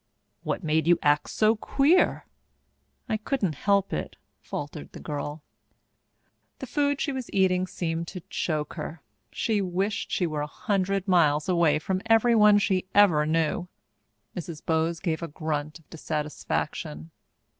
"What made you act so queer?" "I couldn't help it," faltered the girl. The food she was eating seemed to choke her. She wished she were a hundred miles away from everyone she ever knew. Mrs. Bowes gave a grunt of dissatisfaction.